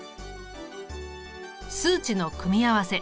数値の組み合わせ。